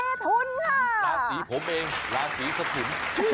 ราศีผมเองราศีสะถุน